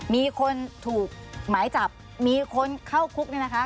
มีคนถูกหมายจับมีคนเข้าคุกเนี่ยนะคะ